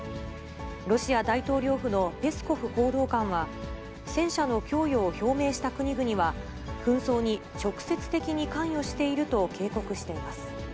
ロシア大統領府のペスコフ報道官は、戦車の供与を表明した国々は、紛争に直接的に関与していると警告しています。